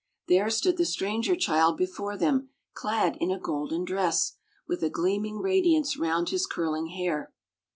There stood the stranger child before them clad in a golden dress, with a gleaming radiance round his curling hair.